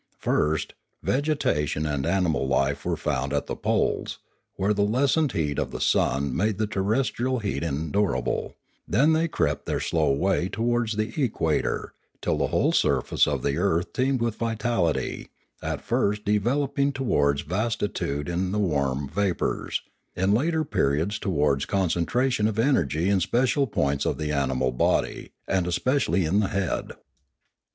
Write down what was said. First, vegetation and animal life were found at the poles, where the lessened heat of the sun made the ter restrial heat endurable; then they crept their slow way onwards to the equator, till the whole surface of the earth teemed with vitality, at first developing towards vastitude in the warm vapours, in later periods towards concentration of energy in special points of the animal body, and especially in the head.